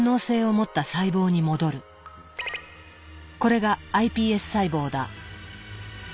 これがｉＰＳ細胞だ。